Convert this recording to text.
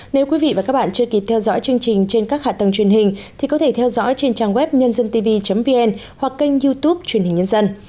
nếu quý vị và các bạn chưa kịp theo dõi chương trình trên các hạ tầng truyền hình thì có thể theo dõi trên trang web nhândântv vn hoặc kênh youtube truyền hình nhân dân